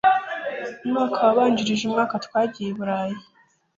Umwaka wabanjirije umwaka, twagiye i Burayi.